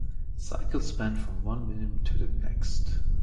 Cycles span from one minimum to the next.